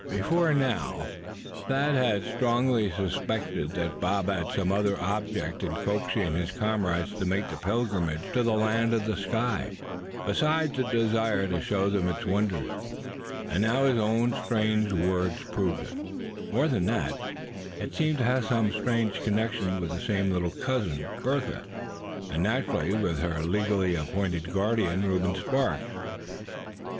Before now Thad had strongly suspected that Bob had some other object in coaxing his comrades to make the pilgrimage to the Land of the Sky, besides the desire to show them its wonders. And now his own words proved it. More than that, it seemed to have some strange connection with this same little cousin, Bertha; and naturally with her legally appointed guardian, Reuben Sparks.